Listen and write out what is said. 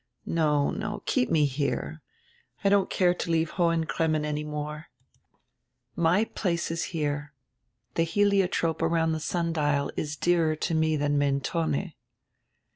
No, no, keep me here. I don't care to leave Hohen Cremmen any more; my place is here. The heliotrope around the sundial is dearer to me than Mentone."